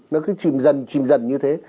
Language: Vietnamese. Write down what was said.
nó cứ chìm dần chìm dần như thế